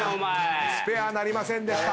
スペアなりませんでした。